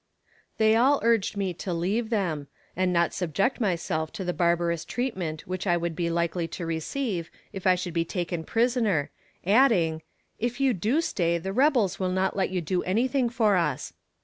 They all urged me to leave them, and not subject myself to the barbarous treatment which I would be likely to receive if I should be taken prisoner, adding "If you do stay the rebels will not let you do anything for us."